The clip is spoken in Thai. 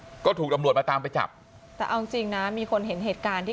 ที่ห้างก็ถูกอำรวจไปตามไปจับเอาจริงนะมีคนเห็นเหตุการณ์ที่